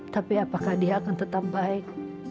tapi apakah dia akan tetap baik